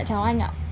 chào anh ạ